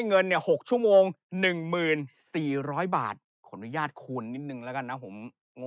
เงิน๖ชั่วโมง๑๔๐๐๐บาทคุณอนุญาตคูณนิดนึงแล้วกันนะผมโง่